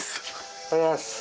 おはようございます。